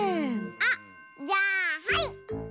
あっじゃあはい！